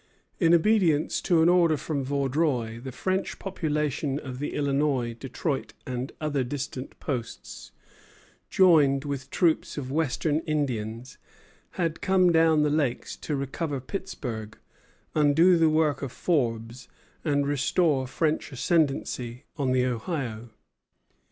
In obedience to an order from Vaudreuil, the French population of the Illinois, Detroit, and other distant posts, joined with troops of Western Indians, had come down the Lakes to recover Pittsburg, undo the work of Forbes, and restore French ascendency on the Ohio.